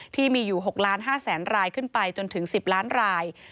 ที่มีอยู่๖ล้าน๕แสนรายขึ้นไปจนถึง๑๐ล้านราย